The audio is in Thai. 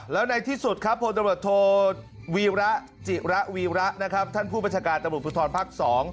แล้วในที่สุดครับพทฟทศพลภภภศ